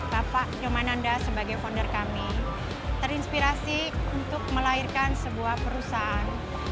bapak jomananda sebagai founder kami terinspirasi untuk melahirkan sebuah perusahaan